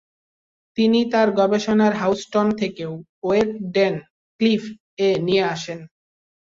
তিনি তার গবেষণাগার হাউজটন থেকে ওয়েরডেন ক্লিফ এ নিয়ে আসেন।